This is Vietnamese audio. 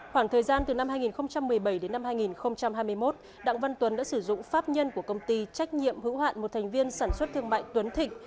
khoảng thời gian từ năm hai nghìn một mươi bảy đến năm hai nghìn hai mươi một đặng văn tuấn đã sử dụng pháp nhân của công ty trách nhiệm hữu hạn một thành viên sản xuất thương mại tuấn thịnh